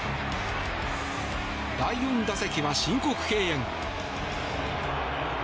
第４打席は申告敬遠。